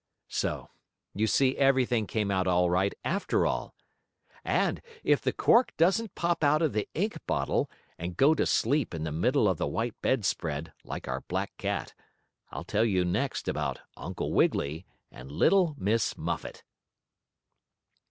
So you see everything came out all right after all, and if the cork doesn't pop out of the ink bottle and go to sleep in the middle of the white bedspread, like our black cat, I'll tell you next about Uncle Wiggily and Little Miss Muffet.